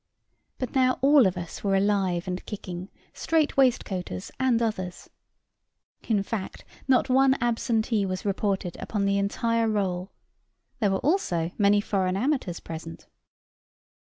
But now all of us were alive and kicking, strait waistcoaters and others; in fact, not one absentee was reported upon the entire roll. There were also many foreign amateurs present.